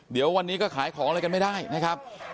เดี๋ยววันนี้ก็ขายของอะไรกันไม่ได้นะครับ